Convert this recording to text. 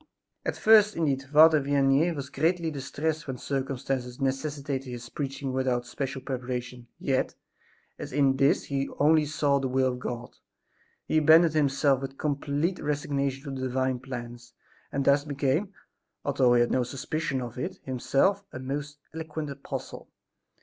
At first, indeed, Father Vianney was greatly distressed when circumstances necessitated his preaching without special preparation; yet, as in this he saw only the will of God, he abandoned himself with complete resignation to the Divine plans, and thus became, although he had no suspicion of it himself, a most eloquent apostle.